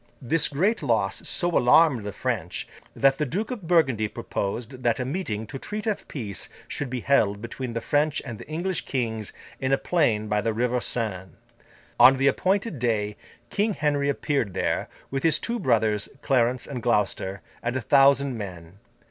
This great loss so alarmed the French, that the Duke of Burgundy proposed that a meeting to treat of peace should be held between the French and the English kings in a plain by the river Seine. On the appointed day, King Henry appeared there, with his two brothers, Clarence and Gloucester, and a thousand men.